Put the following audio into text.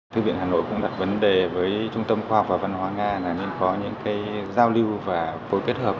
thư viện hà nội cũng đặt vấn đề với trung tâm khoa học và văn hóa nga là nên có những giao lưu và phối kết hợp